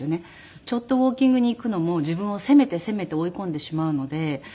ちょっとウォーキングに行くのも自分を攻めて攻めて追い込んでしまうので。